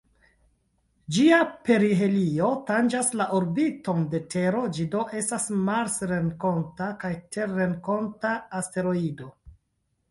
Ĝia perihelio tanĝas la orbiton de Tero, ĝi do estas marsrenkonta kaj terrenkonta asteroido.